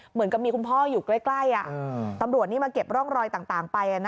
เหมือนกับมีคุณพ่ออยู่ใกล้ตำรวจนี่มาเก็บร่องรอยต่างไป